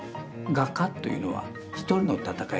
画家というのは一人の闘いだと。